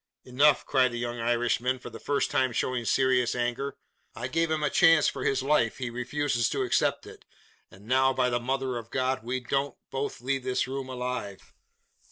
"Enough!" cried the young Irishman, for the first time showing serious anger; "I gave him a chance for his life. He refuses to accept it: and now, by the Mother of God, we don't both leave this room alive!